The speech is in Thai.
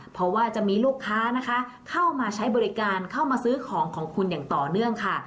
เพราะว่าจะมีลูกค้านะคะเข้ามาใช้บริการเข้ามาซื้อของของคุณอย่างต่อเนื่องค่ะ